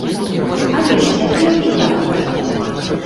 Але ж цяпер і такога няма.